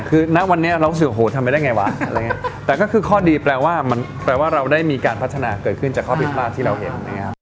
คือณวันนี้เราสื่อโหทำไมได้ไงวะแต่ก็คือข้อดีแปลว่าเราได้มีการพัฒนาเกิดขึ้นจากข้อผิดพลาดที่เราเห็น